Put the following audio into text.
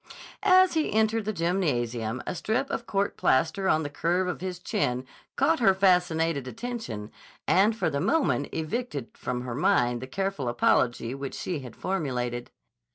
As he entered the gymnasium a strip of court plaster on the curve of his chin caught her fascinated attention and for the moment evicted from her mind the careful apology which she had formulated.